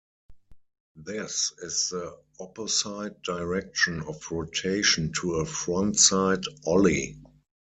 This is the opposite direction of rotation to a frontside ollie.